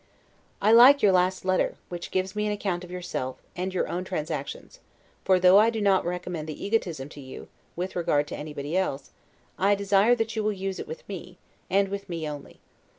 I like your last letter, which gives me an account of yourself, and your own transactions; for though I do not recommend the EGOTISM to you, with regard to anybody else, I desire that you will use it with me, and with me only.